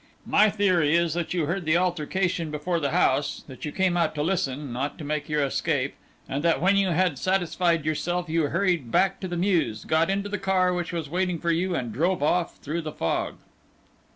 My theory is that you heard the altercation before the house, that you came out to listen, not to make your escape, and that when you had satisfied yourself you hurried back to the mews, got into the car which was waiting for you, and drove off through the fog."